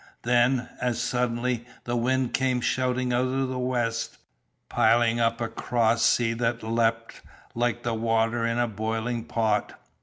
Then, as suddenly, the wind came shouting out of the west, piling up a cross sea that leapt like the water in a boiling pot.